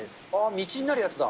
道になるやつだ。